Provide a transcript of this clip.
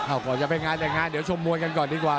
เอาก่อนจะไปงานแต่งงานเดี๋ยวชมมวยกันก่อนดีกว่า